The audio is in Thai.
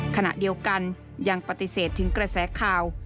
ขณะเดียวกันยังปฏิเสธถึงกระแสข่าว